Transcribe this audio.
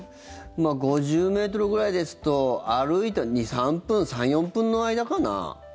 ５０ｍぐらいですと歩いたら２３分、３４分の間かな？